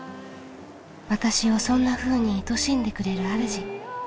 私をそんなふうにいとしんでくれるあるじ。